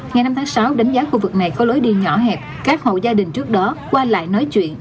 ngày năm tháng sáu đánh giá khu vực này có lối đi nhỏ hẹp các hộ gia đình trước đó qua lại nói chuyện